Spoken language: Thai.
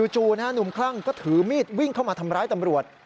หนุ่มคลั่งก็ถือมีดวิ่งเข้ามาทำร้ายตำรวจ